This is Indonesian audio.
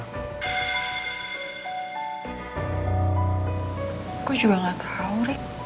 gue juga gak tau